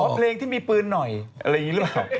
เพลงที่มีปืนหน่อยอะไรอย่างนี้หรือเปล่า